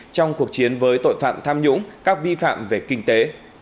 trong cuộc chiến với tội phạm tham nhũng các vi phạm về kinh tế